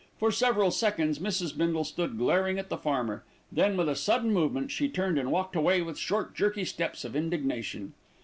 For several seconds Mrs. Bindle stood glaring at the farmer, then, with a sudden movement, she turned and walked away with short, jerky steps of indignation.